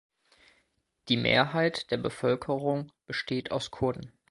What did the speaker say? Die Mehrheit der Bevölkerung besteht aus Kurden.